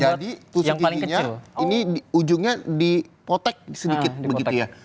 jadi tusuk giginya ini ujungnya dipotek sedikit begitu ya